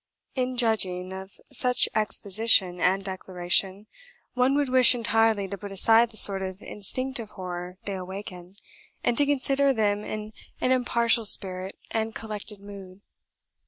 In judging of such exposition and declaration, one would wish entirely to put aside the sort of instinctive horror they awaken, and to consider them in an impartial spirit and collected mood.